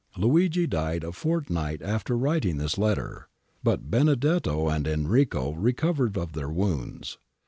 ^ Luigi died a fortnight after writing this letter, but Benedetto and Enrico recovered of their wounds.